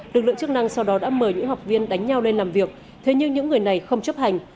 lực lượng chức năng sau đó đã mời những học viên đánh nhau lên làm việc thế nhưng những người này không chấp hành